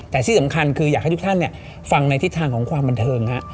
แต่ที่สำคัญคืออยากให้ทุกท่านฟังในทิศทางของความบันเทิง